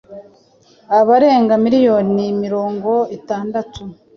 abarenga miliyoni mirongo itandatatu)